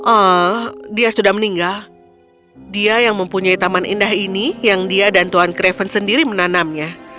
oh dia sudah meninggal dia yang mempunyai taman indah ini yang dia dan tuhan craven sendiri menanamnya